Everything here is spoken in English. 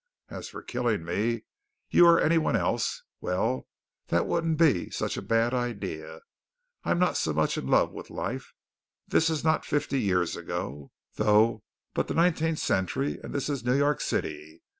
As for killing me, you or anyone else, well that wouldn't be such a bad idea. I'm not so much in love with life. This is not fifty years ago, though, but the nineteenth century, and this is New York City.